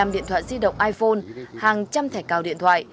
ba mươi năm điện thoại di động iphone hàng trăm thẻ cao điện thoại